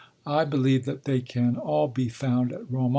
I believe that they can all be found at Roman's.'